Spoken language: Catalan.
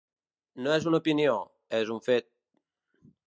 No és una opinió, és un fet.